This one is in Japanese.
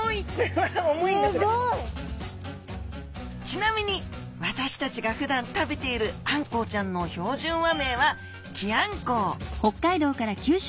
ちなみに私たちがふだん食べているあんこうちゃんの標準和名はキアンコウ。